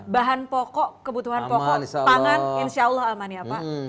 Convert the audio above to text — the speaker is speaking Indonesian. bahan pokok kebutuhan pokok pangan insya allah aman ya pak